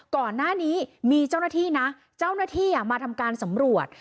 ก่อนหน้านี้มีเจ้าหน้าที่นะเจ้าหน้าที่มาทำการสำรวจ